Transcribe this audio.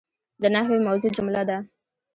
د نحوي موضوع جمله ده.